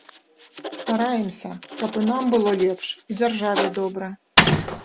Стараемся, каб і нам было лепш, і дзяржаве добра.